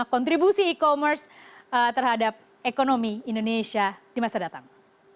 kontribusi e commerce terhadap ekonomi indonesia di masa datang